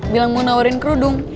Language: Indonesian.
bilang mau tawarin kerudung